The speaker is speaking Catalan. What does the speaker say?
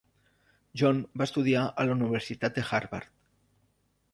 John va estudiar a la Universitat Harvard.